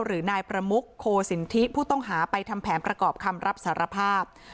หรือนายประมุกโคสินทิผู้ต้องหาไปทำแผนประกอบคำรับสารภาพ